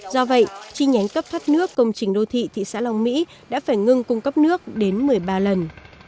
do vậy chi nhánh cấp thoát nước công trình đô thị thị xã long mỹ đã phải ngưng cung cấp nước đến một mươi ba lần